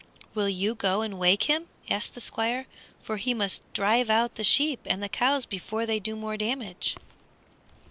"Will you go and wake him?" asked the Squire; "for he must drive out the sheep and the cows before they do more damage."